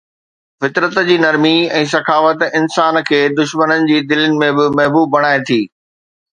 فطرت جي نرمي ۽ سخاوت انسان کي دشمنن جي دلين ۾ به محبوب بڻائي ٿي